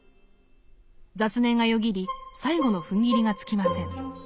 雑念がよぎり最後のふんぎりがつきません。